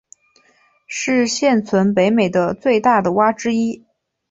是现存北美的最大的蛙之一。